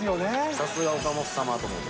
さすが岡本様と思って。